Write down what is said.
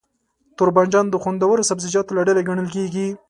توربانجان د خوندورو سبزيجاتو له ډلې ګڼل کېږي.